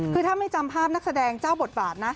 คือถ้าไม่จำภาพนักแสดงเจ้าบทบาทนะ